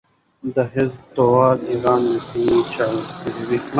د حزب توده ایران رسنۍ چاپېدې.